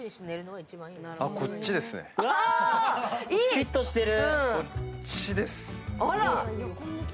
フィットしてる。